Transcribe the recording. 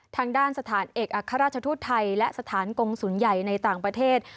ทางด้านสถานเอกอัครราชทูตไทยและสถานกงศูนย์ใหญ่ในต่างประเทศ